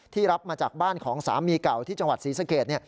รับมาจากบ้านของสามีเก่าที่จังหวัดศรีสเกต